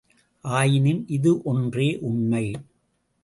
ஆயினும் இது ஒன்றே உண்மை.